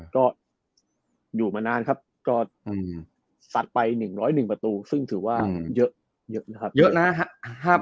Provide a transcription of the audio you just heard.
ก็อยู่มานานครับก็สัดไป๑๐๑ประตูซึ่งถือว่าเยอะนะครับเยอะนะครับ